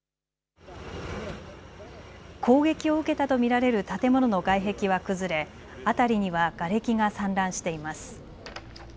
攻撃を受けたと見られる建物の外壁は崩れ、辺りにはがれきが散乱しています。